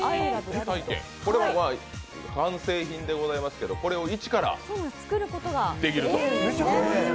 これは完成品でございますがこれを１から作ることができると。